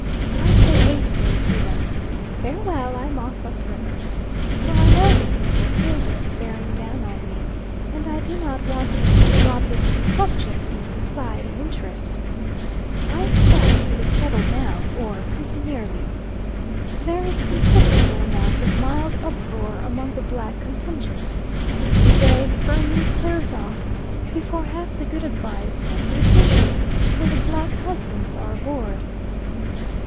I say hastily to them: "Farewell, I'm off up river," for I notice Mr. Fildes bearing down on me, and I don't want him to drop in on the subject of society interest. I expect it is settled now, or pretty nearly. There is a considerable amount of mild uproar among the black contingent, and the Move firmly clears off before half the good advice and good wishes for the black husbands are aboard.